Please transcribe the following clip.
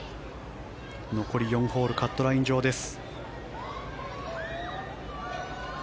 残り４ホールカットライン上です。